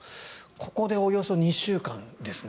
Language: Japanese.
ここでおよそ２週間ですね。